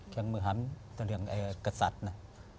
เครื่องมือหามเฉลี่ยงกษัตริย์นะ